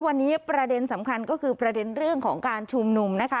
วันนี้ประเด็นสำคัญก็คือประเด็นเรื่องของการชุมนุมนะคะ